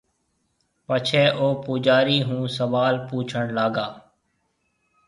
پڇيَ او پوجارِي هون سوال پُوڇڻ لاگا۔